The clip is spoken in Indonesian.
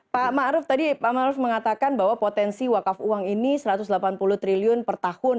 pak ma'ruf tadi pak ma'ruf mengatakan bahwa potensi wakaf uang ini satu ratus delapan puluh triliun per tahun